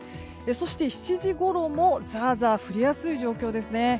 そして７時ごろもザーザー降りやすい状況ですね。